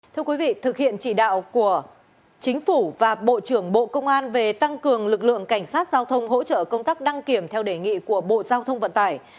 thưa quý vị thực hiện chỉ đạo của chính phủ và bộ trưởng bộ công an về tăng cường lực lượng cảnh sát giao thông hỗ trợ công tác đăng kiểm theo đề nghị của bộ giao thông vận tải